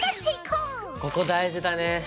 ここ大事だね。